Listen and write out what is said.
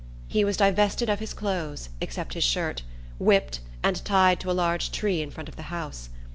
He was divested of his clothes, except his shirt, whipped, and tied to a large tree in front of the house.